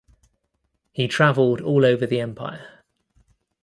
He traveled all over the empire.